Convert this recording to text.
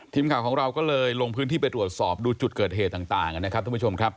ทีมข่าวของเราก็เลยลงพื้นที่ไปตรวจสอบดูจุดเกิดเหตุต่างนะครับท่านผู้ชมครับ